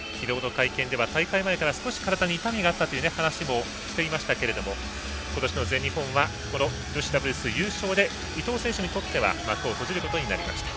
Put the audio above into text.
昨日の会見では大会前から少し体に痛みがあったと話していましたが今年の全日本は女子ダブルス優勝で伊藤選手にとっては幕を閉じることになりました。